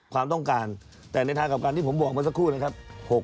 ความต้องการแต่ในทางกับการที่ผมบอกเมื่อสักครู่นะครับ